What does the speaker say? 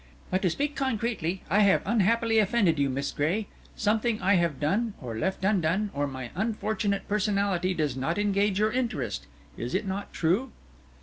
"But to speak concretely I have unhappily offended you, Miss Gray. Something I have done, or left undone or my unfortunate personality does not engage your interest. Is it not true?"